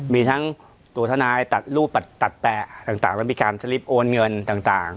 มีทั้งตัวทนายตัดรูปตัดแปะต่างก็มีการสลิปโอนเงินต่าง